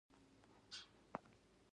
چا تر اوسه له بوټانو ډوډۍ نه ده پخه کړې